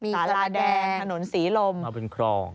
สาลาแดงถนนสีลมมาบนครอง